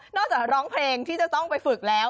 จากร้องเพลงที่จะต้องไปฝึกแล้ว